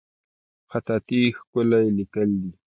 خطاطي ښکلی لیکل دي